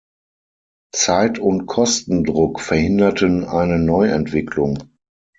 Zeit- und Kostendruck verhinderten eine Neuentwicklung.